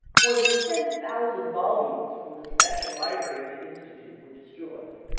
More than ten thousand volumes from the special library of the Insti tute were destroyed.